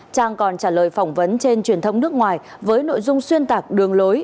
trang còn trả lời phỏng vấn trên truyền thông nước ngoài với nội dung xuyên tạc đường lối